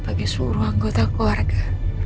bagi seluruh anggota keluarga